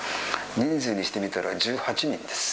人数にしてみたら１８人です。